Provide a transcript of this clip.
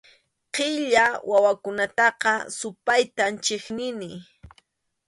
Qilla wawakunataqa supaytam chiqnini.